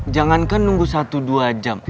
jangankan nunggu satu dua jam